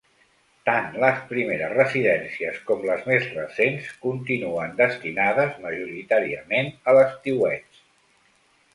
Tant les primeres residències com les més recents continuen destinades majoritàriament a l’estiueig.